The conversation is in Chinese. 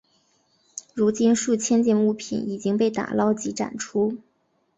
如今数千件物品已经被打捞及展出。